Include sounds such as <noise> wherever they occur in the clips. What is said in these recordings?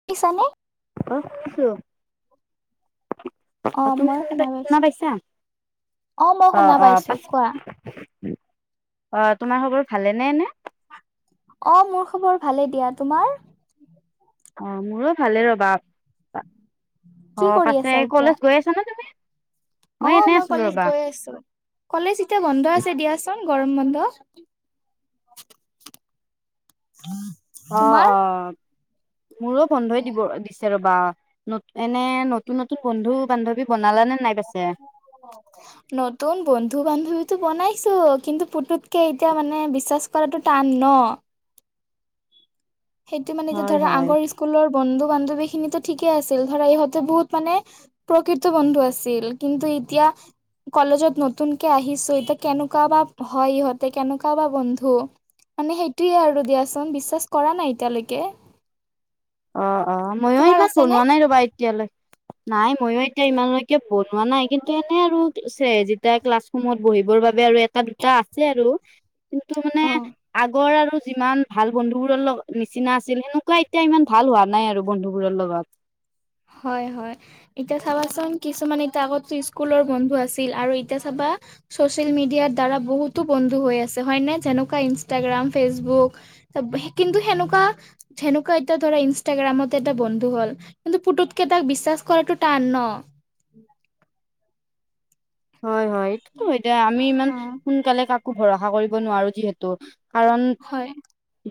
<unintelligible> নে অ', শুনিছো অ', তুমি শুনা পাইছা মই শুনা অ', অ', পাইছোঁ পাই কোৱা। অ', তোমাৰ খবৰ ভালে নে এনে অ', মোৰ খবৰ ভালে দিয়া তোমাৰ অ', মোৰো ভালে ৰবা কি অ', কৰি পাছে আছা এতিয়া? কলেজ গৈ আছা ন তুমি অ', এনে মই আছিলো কলেজ ৰ'বা। গৈ আছো। কলেজ এতিয়া বন্ধ আছে দিয়াচোন গৰম বন্ধ। <unintelligible> অ', অ', মোৰো বন্ধই দিব দিছে- ৰ'বা এনে নতুন নতুন বন্ধু- বান্ধৱী বনালা নে নাই পাছে <unintelligible> নতুন বন্ধু -বান্ধৱীটো বনাইছো কিন্তু পুতুতকে এতিয়া মানে বিশ্বাস কৰাতটো টান ন? সেইটো মানে হয়, ধৰা হয়। আগৰ স্কুলৰ বন্ধু বান্ধৱী খিনিতো ঠিকেই আছিল ধৰা ইহঁতে বহুত মানে প্ৰকৃত বন্ধু আছিল কিন্তু এতিয়া কলেজত নতুনকে আহিছোঁ এতিয়া কেনেকুৱা বা হয় ইহঁতে কেনেকুৱা বা বন্ধু। মানে সেইটোয়ে আৰু দিয়াচোন বিশ্বাস কৰা নাই এতিয়ালৈকে। অ, অ, ময়ো তোমাৰ ইমান আছেনে? বনোৱা নাই ৰবা এতিয়ালৈ। নাই ময়ো এতিয়া ইমানলৈকে বনোৱা নাই কিন্তু এনে আৰু যেতিয়া ক্লাছৰুমত বহিবৰ বাবে আৰু এটা দুটা আছে আৰু। কিন্তু মানে অ', আগৰ আৰু যিমান ভাল বন্ধুবোৰৰ লগ নিচিনা আছিল সেনেকুৱা এতিয়া ইমান ভাল হোৱা নাই আৰু বন্ধুবোৰৰ লগত। হয়, হয়। এতিয়া চাবাচোন কিছুমান এতিয়া আগতটো স্কুলৰ বন্ধু আছিল আৰু এতিয়া চাবা চচিয়েল মিডিয়াৰ দ্বাৰা বহুতো বন্ধু হৈ আছে হয়নে যেনেকুৱা ইনষ্টাগ্ৰাম ফেচবুক কিন্তু সেনেকুৱা সেনেকুৱা এতিয়া ধৰা ইনষ্টাগ্ৰামত এটা বন্ধু হল, কিন্তু পুতুতকে তাক বিশ্বাস কৰাটো টান ন? হয়, হয়, সেইটোতো এতিয়া আমি ইমান অ', সোনকালে কাকো ভৰসা কৰিব নোৱাৰো যিহেতু। কাৰণ হয়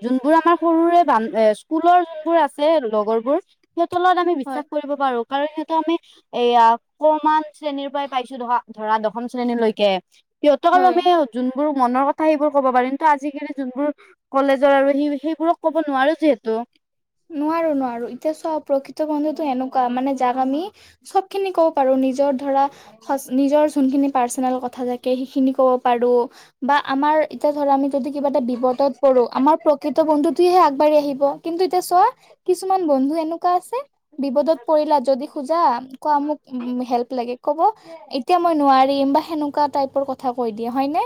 যোনবোৰ আমাৰ সৰুৰে বান্ধ স্কুলৰ যোনবোৰ আছে লগৰবোৰ সেইহতৰ লগত আমি হয় বিশ্বাস কৰিব পাৰো কাৰণ যিহেতটো আমি এয়া কমান শ্ৰেণীৰ পৰাই পাইছো ধৰা ধৰা দশম শ্ৰেণীলৈকে সিহঁতৰক আৰু হয়। আমি যোনবোৰ মনৰ কথা সেইবোৰ ক'ব পাৰি কিন্তু আজিকালি যোনবোৰ কলেজৰ আৰু সেই সেইবোৰক ক'ব নোৱাৰো যিহেতু। নোৱাৰো নোৱাৰো এতিয়া চা প্ৰকৃত বন্ধুতো এনেকুৱা মানে যাক আমি চব খিনি কব পাৰো নিজৰ ধৰা নিজৰ যোনখিনি পাৰ্চনেল কথা থাকে সেইখিনি ক'ব পাৰো বা আমাৰ এতিয়া ধৰা আমি যদি কিবা এটা বিপদত পঢো আমাৰ প্ৰকৃত বন্ধুটোহে আগবাঢ়ি আহিব, কিন্তু চোৱা কিছুমান বন্ধু এনেকুৱা আছে বিপদত পৰিলা যদি খোজা কোৱা মোক হেল্প লাগে কব এতিয়া মই নোৱাৰিম বা সেনেকুৱা টাইপৰ কথা কৈ দিয়ে হয়নে?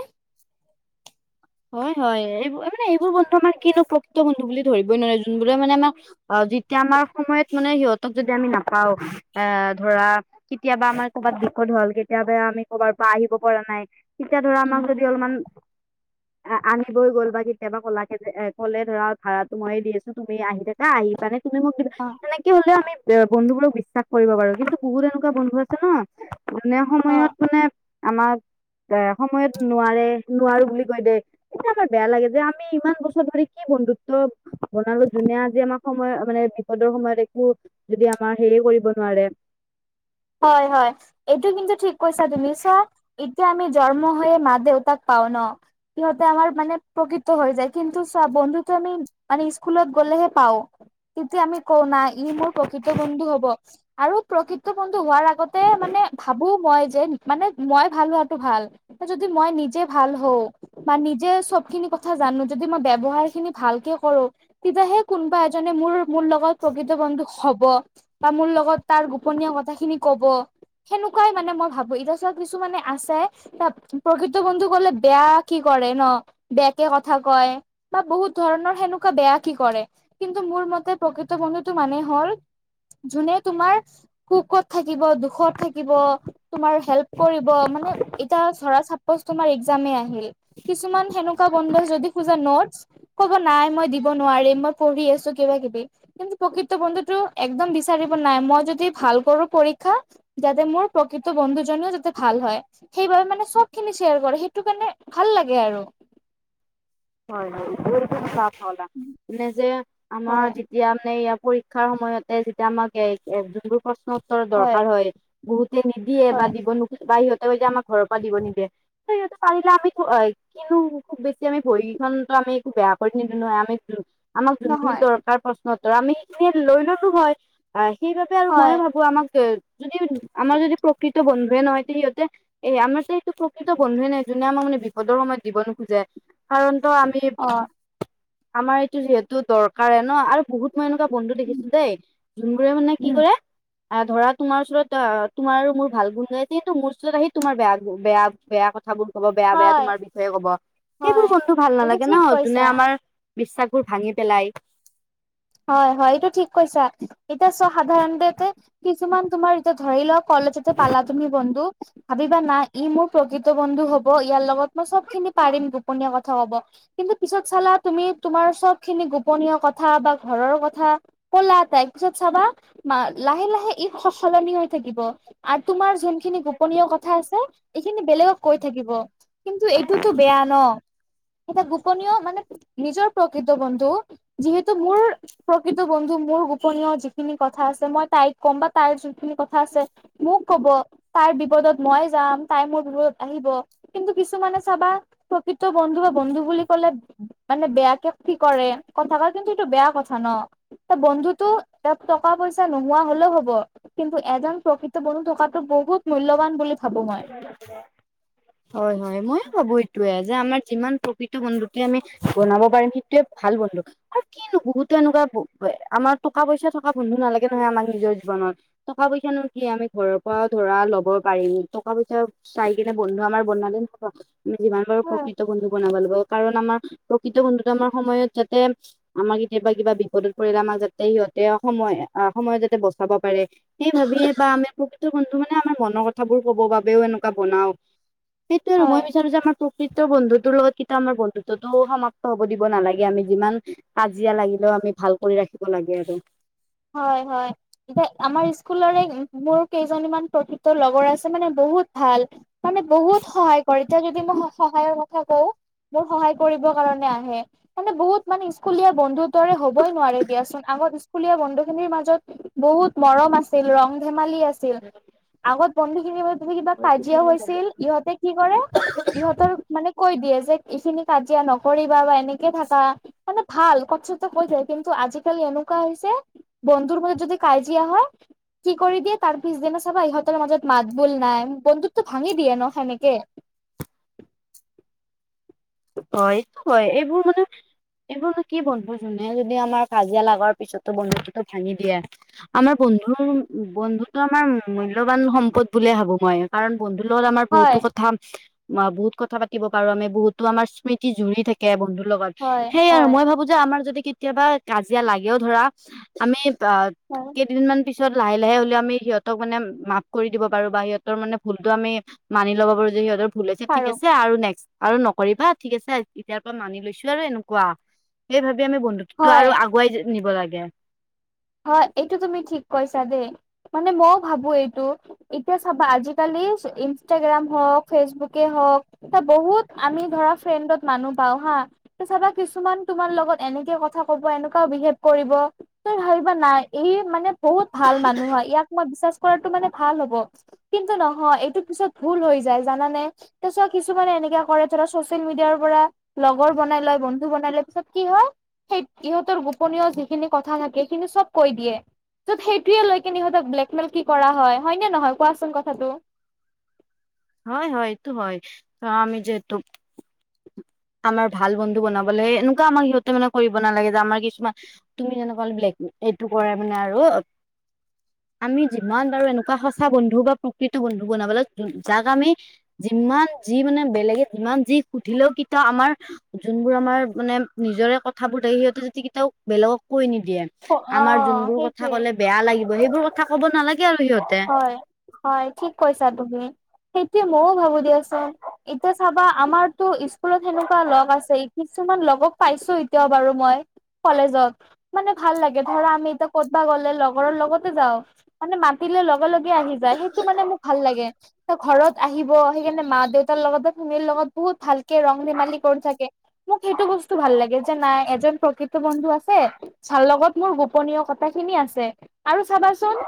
হয় হয় এইবোৰ মানে এইবোৰ বন্ধু আমাৰ কিনো প্ৰকৃত বন্ধু বুলি ধৰিবই নোৱাৰে যোনবোৰে মানে আমাক অ, যেতিয়া আমাৰ সময়ত মানে সিহঁতক যদি আমি নাপাওঁ এ ধৰা কেতিয়াবা আমাৰ কৰ'ৰবাত বিত হ'ল কেতিয়াবা আমি কৰ'বাৰ পৰা আহিব পৰা নাই, তেতিয়া ধৰা উম আমাক যদি অলপমান আনিবই গ'ল বা কেতিয়াবা ক'লাক যে ক'লে ধৰা ভাড়া মইে দি আছো তুমি আহি থাকা, আহি মানে তুমি মোক অ দিবােনেকে হলেও আমি বন্ধু বোৰক বিশ্বাস কৰিব বাৰু কিন্তু বহুত এনেকুৱা বন্ধু আছে ন এনে অ সময়ত মানে আমাক এ সময়ত নোৱাৰে নোৱাৰো বুলি কৈ দে। আমাৰ বেয়া লাগে যে আমি ইমান বছৰ ধৰি কি বন্ধুত্ব বনালো ধুনে আজি আমাৰ সময় মানে দৰ সময়ত একো যদি আমাৰ সেয়ে কৰিব নোৱাৰে, হয়, হয়, এইটো কিন্তু ঠিক কৈছা তুমি চোৱা আ জন্ম হৈ মা দেউতাক পাও ন, ইহঁতে আমাৰ মে প্ৰকৃত হৈ যায় কিন্তু চ বন্ধুত আমি মান স্কুলত গ'লেহে পাওঁ, তেতিয়া আমি কওঁ নাই ই মোৰ প্ৰকৃত বন্ধু হব, আৰু প্ৰকৃত ম হোৱাৰ আগতে মানে ভাবো মই যে মানে মই ভাল হোৱাটো ভাল যদি মই নিজে ভাল হওঁ, মই নিজে চবখিনি কথা জানো যদি মই ব্যৱহাৰ খিনি ভালকে কৰো, তেতিয়াহে কোনোবা এজনে মোৰ মোৰ লগত প্ৰকৃত বন্ধু হব, বা মোৰ লগত তাৰ গোপনীয় কথা খিনি কব, সেনেকুৱাই মানে মই ভাবো এতিয়া চত কিছুমানে আছে প্ৰকৃত বন্ধু কলে বেয়া কি কৰে ন বেয়কে কথা কয়। বা বহুত ধৰণৰ সেনেকুৱা বেয়া কি কৰে কিন্তু মোৰ মতে প্ৰকৃত বন্ধুতটো মানে হ'ল যোনে তোমাৰ কুকত থাকিব দুখত থাকিব তোমাৰ হেল্প কৰিব মানে এতিয়া ধৰা চা'পচ তোমাৰ এক্সামে আহিল কিছুমান সেনেকুৱা বন্ধু যদি খোজা নোটছ ক'ব নাই মই দিব নোৱাৰিম মই পঢ়ি আছো কিবা কিবি কিন্তু প্ৰকৃত বন্ধুতটো একদম বিচাৰিব নাই মই যদি ভাল কৰো পৰীক্ষা যাতে মোৰ প্ৰকৃত বন্ধুজননেও যাতে ভাল হয় সেইবাবে মানে সব খিনি শ্বেয়াৰ কৰে সেইটো কাৰণে ভাল লাগে আৰু। হয়, হয় চফ হলা এনে যে আমাৰ হয় যেতিয়া মানে ইয়াৰ পৰীক্ষাৰ সময়তে যেতিয়া আমাক এ যোনটোৰ প্ৰশ্ন উত্তৰৰ দৰকাৰ হয় বহুতে নিদিয়ে বা হয় দিব ন বা সিহঁতে সৈ যে আমাৰ ঘৰৰ পৰা দিব নিদিয়ে স পাৰিলেমি কিন্তু খুব বেছি আ ভৰি আমি একো বেয়া কৰি নিদিও নহয় আমি আমাক যোনখিনি নহয় দৰকাৰ প্ৰ সিহঁতৰ আমি সেইখিনিয় লৈ ললো হয় আহ সেইবাবে আৰু মই হয় ভাবো আমাক যদি আমাৰ যদি প্ৰকৃত বন্ধুৱে নহয় তে সিহঁতে এ আমাৰ যে এইটো প্ৰকৃত বন্ধুৱে নাই যোনে আমাক মানে বিপদৰ সময়ত দিব নোখোজে কাৰণ আমি অ আমাৰ এইটো যিহেতু দৰকাৰে ন আৰু বহুত মই এনেকুৱা বন্ধু দেখিছোঁ দেই যোনবোৰে মানে কি উম কৰে অ', ধৰা তোমাৰ ওচৰত অ', তোমাৰো মোৰ ভাল গুন গাই যিহেতু মোৰ ওচৰত আহি তোমাৰ বেয়া, বেয়া, বেয়া কথা কথাবোৰ কব বেয়া, বেয়া হয় তোমাৰ বিষয়ে কব হয় সেইবোৰ বন্ধু ভাল এইটো নালাগে ঠিক ন কৈছা যোনে আমাৰ বিশ্বাসবোৰ ভাঙি পেলাই হয়, হয় এইটো ঠিক কৈছা এতিয়া চ সাধাৰণতে কিছুমান তোমাৰ এতিয়া ধৰি লও কলেজতে পালা তুমি বন্ধু ভাবিবা না ই মোৰ প্ৰকৃত বন্ধু হব ইয়াৰ লগত মই চব খিনি পাৰিম গোপনীয় কথা কব কিন্তু পিছত চালা তুমি তোমাৰ চব খিনি গোপনীয় কথা বা ঘৰৰ কথা কলা তাই পিছত চাবা লাহে লাহে ই সলনি হৈ থাকিব আৰু তোমাৰ যোনখিনি গোপনীয় কথা আছে এইখিনি বেলেগক কৈ থাকিব কিন্তু এইটোতো বেয়া ন এটা গোপনীয় মানে নিজৰ প্ৰকৃত বন্ধু যিহেতু মোৰ প্ৰকৃত বন্ধু মোৰ গোপনীয় যিখিনি কথা আছে মই তাইক ক'ম বা তাইৰ যোনখিনি কথা আছে মোক ক'ব তাইৰ বিপদত মই যাম তাই মোৰ বিপত আহিব কিন্তু কিছুমানে চাবা প্ৰকৃত বন্ধু বা বন্ধু বুলি ক'লে মানে বেয়াকে কি কৰে কথা ক কিন্তু এইটো বেয়া কথা ন বন্ধুতো ত টকা পইচা নোহোৱা হলেও হ'ব কিন্তু এজন প্ৰকৃত বন্ধু থকাতটো বহুত মূল্যবান বুলি ভাবো মই। <inaudible> হয়, হয় ময়ো ভাবো এইটয়ে যে আমাৰ যিমান প্ৰকৃত বন্ধুটোৱে আমি বনাব পাৰিম সেইটোৱে ভাল বন্ধু। আৰু কিনু বহুতো এনেকুৱা আমাৰ টকা পইচা থকা বন্ধু নালাগে তহে আমাক নিজৰ জীৱনত। টকা পইচা নো কি আমি ঘৰৰ পৰা ধৰা ল'ব পাৰিম। টকা পইচা চাই কিনে বন্ধু আমাৰ বনালে না আমি যিমান পাৰো প্ৰকৃত বন্ধু বনাব লাগিব। কাৰণ আমাৰ প্ৰকৃত বন্ধুত আমাৰ সময়ত যাতে আমাৰ কেতিয়াবা কিবা বিপদত পৰিলে আমাৰ যাতে সিহঁতে সময় সময় যাতে বচাব পাৰে সেই ভাবিয়ে বা আমি প্ৰকৃত বন্ধু মানে আমাৰ মনৰ কথাবোৰ ক'ব বাবেও এনেকুৱা বনাও সেইটোয় আৰু হয় মই বিচাৰো যে আমাৰ প্ৰকৃত বন্ধুতোৰ লগত কি আমাৰ বন্ধুত্বতো সমাপ্ত হব দিব নালাগে আমি যিমান কাজিয়া লাগিলেও আমি ভাল কৰি ৰাখিব লাগে আৰু হয়, হয়। এতিয়া আমাৰ স্কুলৰে মোৰ কেইজনীমান প্ৰকৃত লগৰ আছে মানে বহুত ভাল। মানে বহুত সহায় কৰে এতিয়া যদি মই সহায়ৰ কথা কওঁ। মোৰ সহায় কৰিবৰ কাৰণে আহে। মানে বহুত মানে স্কুলীয়া বন্ধু দৰে হ'বই নোৱাৰে দিয়াচোন আগত স্কুলীয়া বন্ধু। মাজত বহুত মৰম আছিল ৰং ধেমালি আছিল আগত বন্ধুখিনিৰ। তমি কিবা হয় কাজিয়া হৈছিল ইহঁতে কি কৰে ইহঁতৰ। মানে কৈ দিয়ে যে এইখিনি কাজিয়া নকৰিবা বা এনেকে থাকা মানে। ভাল কথাচ কৈ যায় কিন্তু আজিকালি এনেকুৱা হৈছে বন্ধুৰ মাজত যদি কাজিয়া হয়। কি কৰি দিয়ে তাৰ পিছদিনা চাবা ইহঁতৰ মাজত মাত বোল নাই বন্ধুতটো ভাঙি দিয়ে ন সেনেকে। হয় এইটো হয় এইবোৰ মানে এইবোৰো কি বন্ধু জোনে যদি আমাৰ কাজিয়া লগাৰ পিছতো বন্ধুটো ভাঙি দিয়ে। আমাৰ বন্ধুৰ বন্ধুতো আমাৰ মূল্যৱান সম্পদ বুলিয়ে ভাবো মই। কাৰণ বন্ধুৰ লগত আমাৰ বহুতো হয় কথা বহুত কথা পাতিব পাৰো আমি বহুতো আমাৰ। স্মৃতি জুৰি থাকে বন্ধুৰ লগত হয় সেইয়য়া আৰু হয় মই ভাবো। আমাৰ যদি কেতিয়াবা কাজিয়া লাগেও ধৰা আমি অ' হয় কেইদিনমান। পিছত লাহে লাহে হ'লে আমি সিহঁতক মানে মাফ কৰি দিব পাৰো বা সিহঁতৰ মানে ভুলটো আমি। মানি ল'ব পাৰো যে সিহঁতৰ ভুলছে ঠিক পাৰো আছে আৰু নেক্স আৰু নকৰিবা। ঠিক আছে এয়াৰ পৰা মানি লৈছো আৰু এনেকুৱা সেই ভাবি আমি বন্ধু। তটো হয় আৰু আগুৱাই নিব লাগে। হয়, এইটো তুমি ঠিক কৈছা দেই। মানে ময়ো ভাবো এইটো। এতিয়া চাবা আজিকালি ইনষ্টাগ্ৰাম হওক, ফেচবুকেই হওক। এটা বহুত আমি ধৰা ফ্ৰেণ্ডত মানুহ পাও হা। চাবা কিছুমান তোমাৰ লগত এনেকে কথা ক'ব, এনেকুৱাও বিহেভ কৰিব, <unintelligible> ভাব নাই, ই মানে বহুত ভাল মানুহ হয়, ইয়াক মই বিশ্বাস কৰাটো মানে ভাল হ'ব। কিন্তু নহয় এইটো পিছত ভুল হৈ যায়। জানানে? তাৰ পিছত কিছুমানে এনেকে কৰে, ধৰা ছচিয়েল মিডিয়াৰ পৰা লগৰ বনাই লয় বন্ধু বনাই লয়, পিছত কি হয়? সেই ইহঁতৰ গোপনীয় যিখিনি কথা থাকে কিন্তু চব কৈ দিয়ে। ত'ত সেইটোৱে লৈ কি সিহঁতক ব্লেকমেইল কি কৰা হয়। হয় নে নহয় কোৱাচোন কথাটো? হয় হয়, এইটো হয়। আমি যিহেতু আমাৰ ভাল বন্ধু বনাবলৈ, এনেকুৱা আমাৰ সিহঁতে মানে কৰিব নালাগে যে আমাৰ কিছুমান তুমি যেনেকুৱা ব্লেকমেইল এইটো কৰে মানে আৰু। আমি যিমান পাৰো এনেকুৱা সঁচা বন্ধু বা প্ৰকৃত বন্ধু বনাব লাগে, যাক আমি যিমান যি মানে বেলেগে যিমান যি সুধিলেও কেতিয়াও আমাৰ যোনবোৰ আমাৰ মানে নিজৰে কথাবোৰ থাকে, সিহঁতে যদি কেতিয়াও বেলেগক কৈ নিদিয়ে। আমাৰ অ', যোনবোৰ কথা সেইটোৱে। ক'লে বেয়া লাগিব, সেইবোৰ কথা ক'ব নালাগে। আৰু সিহঁতে হয় হয়, ঠিক কৈছা তুমি। সেইটোৱে ময়ও ভাবো দিয়াচোন। এতিয়া চাবা আমাৰতো স্কুলত সেনেকুৱা লগ আছেই, কিছুমান লগক পাইছো এতিয়াও বাৰু মই কলেজত। মানে ভাল লাগে। ধৰা, আমি এতিয়া ক'তবা গ'লে লগৰৰ লগতে যাও মানে মাতিলে লগ লগ লগে আহি যায়, সেইটো মানে মোক ভাল লাগে, ত ঘৰত আহিব। সেইকাৰণে মা দেউতাৰ লগত বা ফেমিলিৰ লগত বহুত ভাল কে ৰং ধেমালি কৰি থাকে, মোক সেইটো বস্তু ভাল লাগে যে, নাই এজন প্ৰকৃত বন্ধু আছে, যাৰ লগত মোৰ গোপনীয় কথা খিনি আছে আৰু চাবাচোন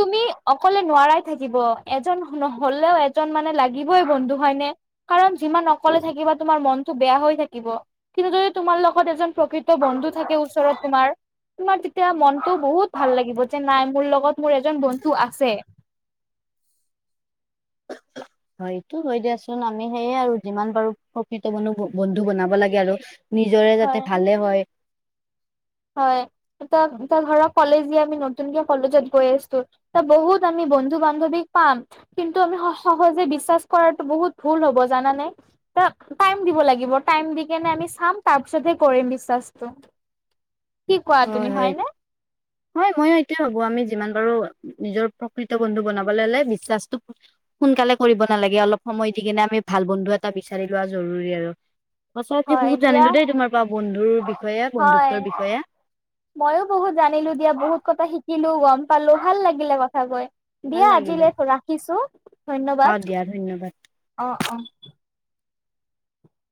তুমি অকলে নোৱাৰাই থাকিব, এজন নহলেও এজন মানে লাগিবই বন্ধু। হয়নে? কাৰণ যিমান অকলে থাকিবা তোমাৰ মনতটো বেয়া হৈ থাকিব, কিন্তু যদি তোমাৰ লগত এজন প্ৰকৃত বন্ধু থাকে ওচৰত তোমাৰ, তোমাৰ তেতিয়া মনটো বহুত ভাল লাগিব, যে নাই মোৰ লগত মোৰ এজন বন্ধু আছে। হয়, এইটোও হয় দিয়াচোন। আমি সেয়ে আৰু যিমান পাৰোঁ প্ৰকৃত বন বন্ধু বনাব লাগে আৰু। নিজৰেই হয়। যাতে ভালে হয়। হয়। <unintelligible> ধৰা কলেজীয়া আমি নতুনকে কলেজত গৈ আছো। ত' বহুত আমি বন্ধু বান্ধৱীক পাম। কিন্তু আমি স সহজে বিশ্বাস কৰাতো বহুত ভুল হ'ব। জানানে? টাইম দিব লাগিব, টাইম দি কেনে আমি চাম তাৰপিছতহে কৰিম বিশ্বাসটো। কি কোৱা হয় তুমি, হয় হয়নে? হয়। ময়ো এইটোয়েই ভাবো, আমি যিমান পাৰো নিজৰ প্ৰকৃত বন্ধু বনাবলৈ হ'লে বিশ্বাসটো সোনকালে কৰিব নালাগে, অলপ সময় দি কিনে আমি ভাল বন্ধু এটা বিচাৰি লোৱা জৰুৰী আৰু। সঁচা হয় আজি দিয়া জানিলো দেই তোমাৰ পৰা বন্ধুৰ বিষয়ে, বন্ধুত্বৰ বিষয়ে। ময়ো বহুত জানিলো দিয়া, বহুত কথা শিকিলো গম পালো, ভাল লাগিলে কথা কৈ। ভাল দিয়া লাগিলে আজিলৈ ৰাখিছো, অ ধন্যবাদ, দিয়া ধন্যবাদ অ', অ।